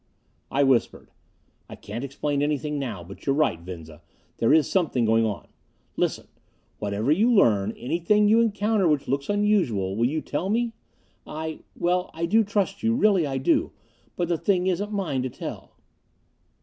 I whispered, "I can't explain anything now. But you're right, Venza: there is something going on. Listen! Whatever you learn anything you encounter which looks unusual will you tell me? I well, I do trust you really I do! but the thing isn't mine to tell."